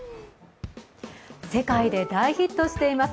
世界で大ヒットしています